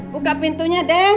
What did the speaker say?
buka pintunya deh